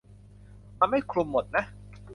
มันไม่คลุมหมดนะ